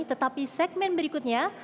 tetapi segmen berikutnya